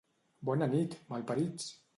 Bona nit, malparits!